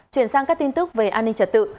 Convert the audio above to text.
chuyển sang các tin tức về an ninh trật tự